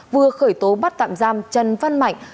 vừa khởi tố bắt tạm giam trần văn mạnh